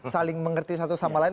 saling mengerti satu sama lain